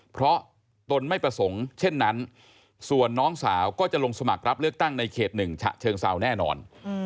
เพราะตนไม่ประสงค์เช่นนั้นส่วนน้องสาวก็จะลงสมัครรับเลือกตั้งในเขต๑ฉะเชิงเซาแน่นอน